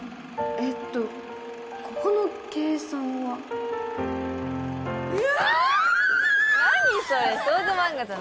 えっとここの計算はきゃ！